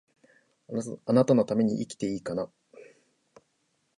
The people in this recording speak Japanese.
貴方のために生きていいかな